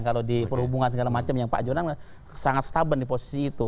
kalau di perhubungan segala macam yang pak jonan sangat stabil di posisi itu